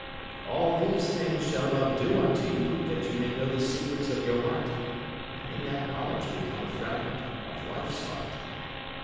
All these things shall love do unto you that you may know the secrets of your heart, and in that knowledge become a fragment of Life's heart.